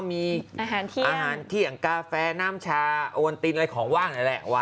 มีอาหารเที่ยงกาแฟน้ำชาโอวันตินอะไรของว่างนี่แหละ